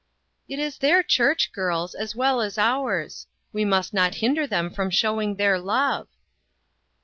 " It is their church, girls, as well as ours. We must not hinder them from showing their love."